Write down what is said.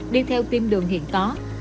đi theo tiêm đường hiện có